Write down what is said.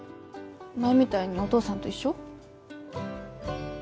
前みたいにお父さんと一緒？